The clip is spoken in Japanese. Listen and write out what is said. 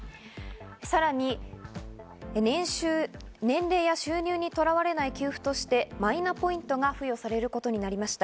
さらに年齢や収入にとらわれない給付として、マイナポイントが付与されることになりました。